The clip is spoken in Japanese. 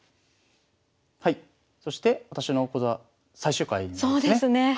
そして私の講座最終回ですね。